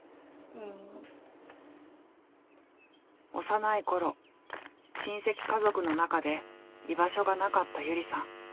幼い頃親戚家族の中で居場所がなかったゆりさん。